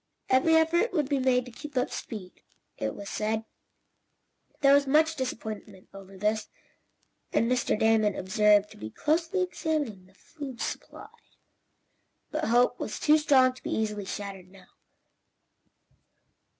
Every effort would be made to keep up speed, it was said. There was much disappointment over this, and Mr. Damon was observed to be closely examining the food supply, but hope was too strong to be easily shattered now.